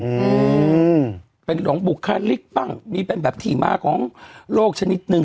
อืมเป็นหลวงบุคลิกบ้างมีเป็นแบบที่มาของโลกชนิดหนึ่ง